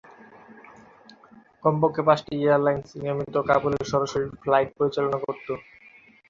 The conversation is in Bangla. কমপক্ষে পাঁচটি এয়ারলাইনস নিয়মিত কাবুলে সরাসরি ফ্লাইট পরিচালনা করত।